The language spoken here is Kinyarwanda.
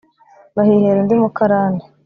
bahihera undi mukarane